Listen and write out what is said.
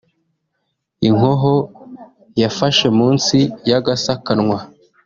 inkoho yafashe munsi y'agasakanwa